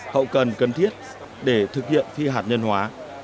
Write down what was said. hậu cần cần thiết để thực hiện phi hạt nhân hóa